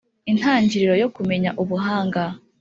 Intangiriro yo kumenya Ubuhanga,